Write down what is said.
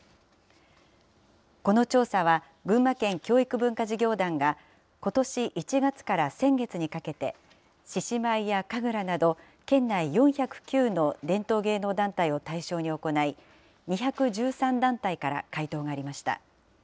この調査は、群馬県教育文化事業団が、ことし１月から先月にかけて、獅子舞や神楽など、県内４０９の伝統芸能団体を対象に行い、２１３団体から回答がありました。